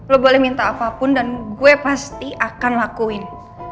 lo boleh minta apapun dan gue pasti akan lakuin